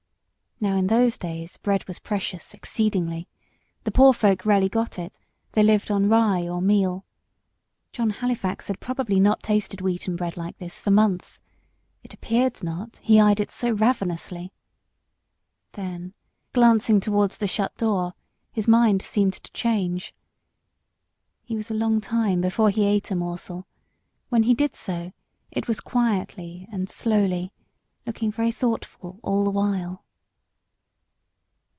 Now in those days bread was precious, exceedingly. The poor folk rarely got it; they lived on rye or meal. John Halifax had probably not tasted wheaten bread like this for months: it appeared not, he eyed it so ravenously; then, glancing towards the shut door, his mind seemed to change. He was a long time before he ate a morsel; when he did so, it was quietly and slowly; looking very thoughtful all the while.